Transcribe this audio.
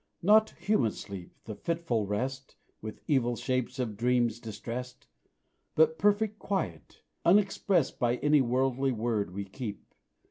'" Not human sleep the fitful rest With evil shapes of dreams distressed, But perfect quiet, unexpressed By any worldly word we keep.